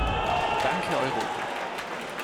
Danke Europa!